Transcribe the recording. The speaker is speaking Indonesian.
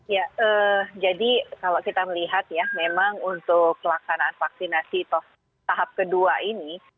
ya jadi kalau kita melihat ya memang untuk pelaksanaan vaksinasi tahap kedua ini